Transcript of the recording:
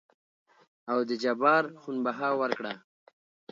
او دې جبار خون بها ورکړه.